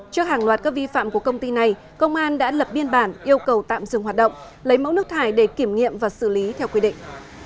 trước hàng loạt các vi phạm của công ty này công an đã lập biên bản yêu cầu tạm dừng hoạt động lấy mẫu nước thải để kiểm nghiệm và xử lý theo quy định